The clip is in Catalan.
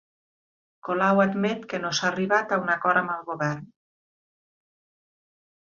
Colau admet que no s'ha arribat a un acord amb el govern